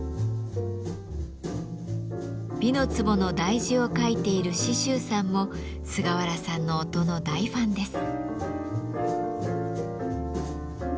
「美の壺」の題字を書いている紫舟さんも菅原さんの音の大ファンです。